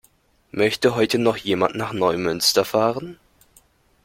Möchte heute noch jemand nach Neumünster fahren?